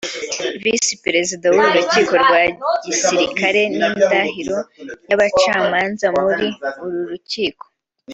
Visi Perezida w’Urukiko rwa Gisirikari n’indahiro y’abacamanza muri uru rukiko